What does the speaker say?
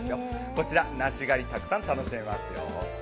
こちら、梨狩り、たくさん楽しめますよ。